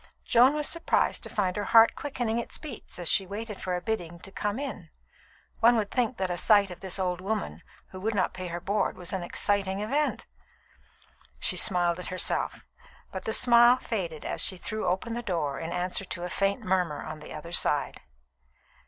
Joan was surprised to find her heart quickening its beats as she waited for a bidding to "Come in!" One would think that a sight of this old woman who would not pay her board was an exciting event! She smiled at herself, but the smile faded as she threw open the door in answer to a faint murmur on the other side.